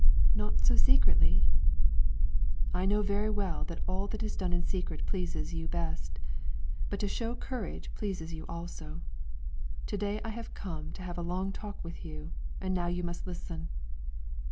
"Not so secretly?" "I know very well that all that is done secretly pleases you best; but to show courage pleases you also. To day I have come to have a long talk with you, and now you must listen."